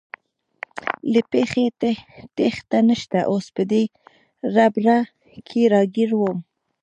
له پېښې تېښته نشته، اوس په دې ربړه کې راګیر ووم.